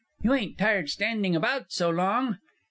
You ain't tired standing about so long?